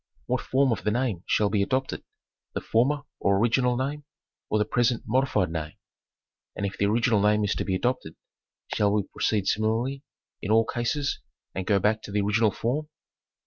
What form of the name shall be adopted ? The former or original name or the present modified name? And if the original name is to be adopted, shall we proceed similarly in all cases and go back to the original form